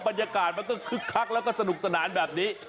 บรรยากาศมันก็คึกคักแล้วก็สนุกสนานแบบนี้